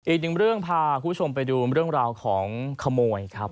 อีกหนึ่งเรื่องพาคุณผู้ชมไปดูเรื่องราวของขโมยครับ